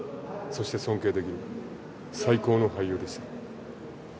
そして尊敬できる最高の俳優でした。